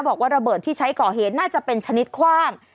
บอกว่าระเบิดที่ใช้ก่อเหตุน่าจะเป็นชนิดคว่าง